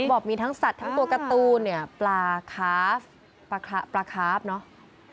บอกมีทั้งสัตว์ทั้งตัวการ์ตูนเนี่ยปลาคาฟปลาคาร์ฟเนอะ